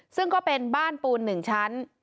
ซึ่งก็เป็นบ้านปูน๑ชั้น